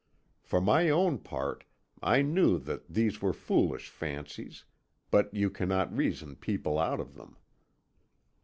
For my own part I knew that these were foolish fancies, but you cannot reason people out of them.